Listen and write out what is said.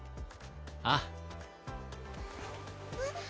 ああえっ？